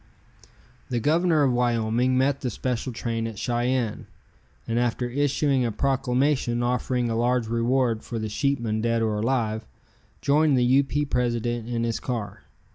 The Governor of Wyoming met the special train at Cheyenne, and after issuing a proclamation offering a large reward for the sheepmen dead or alive, joined the U. P. president in his car.